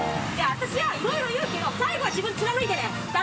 私はいろいろ言うけど最後は自分貫いてね！